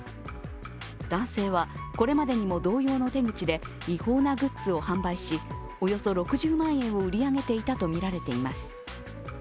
男性はこれまでにも同様の手口で違法なグッズを販売しおよそ６０万円を売り上げていたとみられています。